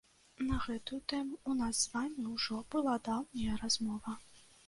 На гэтую тэму ў нас з вамі ўжо была даўняя размова.